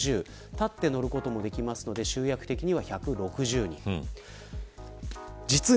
立って乗ることもできるので集客的には１６０人。